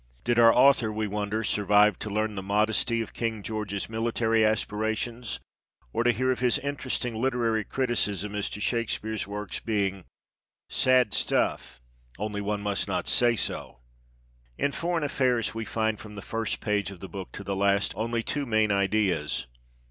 Did our author, we wonder, survive to learn the modesty of King George's military aspirations, or to hear of his interesting literary criticism as to Shakespeare's works being " sad stuff only one must not say so "? In foreign affairs we find, from the first page of the book to the last, only two main ideas.